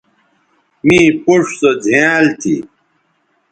می پوڇ سو زھیائنل تھی